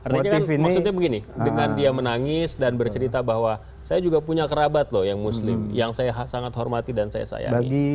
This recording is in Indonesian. artinya maksudnya begini dengan dia menangis dan bercerita bahwa saya juga punya kerabat loh yang muslim yang saya sangat hormati dan saya sayangi